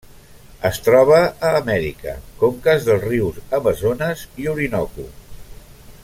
Es troba a Amèrica: conques dels rius Amazones i Orinoco.